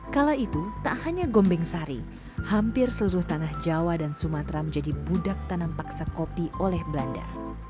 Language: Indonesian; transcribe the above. kala itu tak hanya gombeng sari hampir seluruh tanah jawa dan sumatera menjadi budak tanam paksa kopi oleh belanda